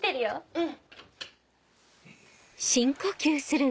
うん。